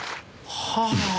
はあ。